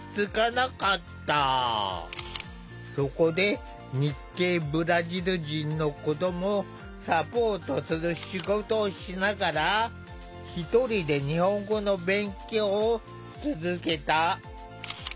そこで日系ブラジル人の子どもをサポートする仕事をしながら１人で日本語の勉強を続けた。